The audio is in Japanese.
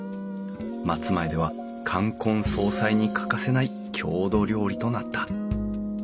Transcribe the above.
松前では冠婚葬祭に欠かせない郷土料理となった。